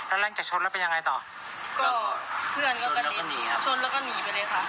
อันนี้คือส่วนที่น้องผู้หญิงเห็นแบบนี้เนอะ